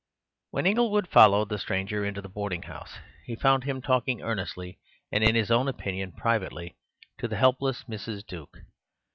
When Inglewood followed the stranger into the boarding house, he found him talking earnestly (and in his own opinion privately) to the helpless Mrs. Duke.